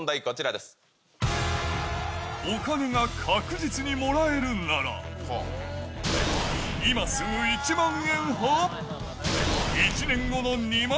お金が確実にもらえるなら、今すぐ１万円派？